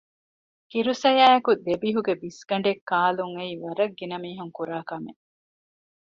ކިރު ސަޔާއެކު ދެބިހުގެ ބިސްގަނޑެއް ކާލުން އެއީ ވަރަށް ގިނަމީހުން ކުރާކަމެއް